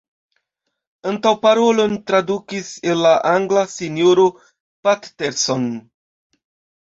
Antaŭparolon tradukis el la angla Sinjoro Patterson.